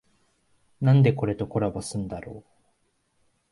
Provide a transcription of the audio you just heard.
なんでこれとコラボすんだろ